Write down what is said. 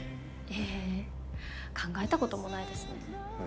え考えたこともないですね。